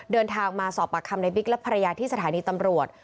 เดินทางมาสอบปากคำในบิ๊กและภรรยาที่สถานีตำรวจ